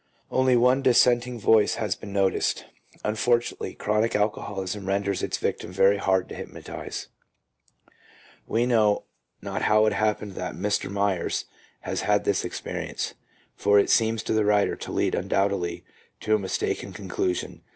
Only one dissenting voice has been noticed —" Un fortunately, chronic alcoholism renders its victim very hard to hypnotize." 5 We know not how it happened that Mr. Myers has had this experience, for it seems to the writer to lead undoubtedly to a mistaken conclusion.